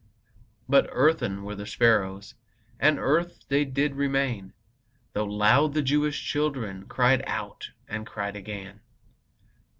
But earthen were the sparrows, And earth they did remain, Though loud the Jewish children Cried out, and cried again.